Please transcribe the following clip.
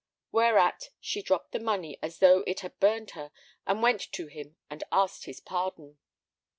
Whereat she dropped the money as though it had burned her, and went to him and asked his pardon.